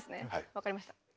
分かりました。